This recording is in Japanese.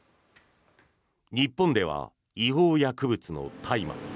日本では違法薬物の大麻。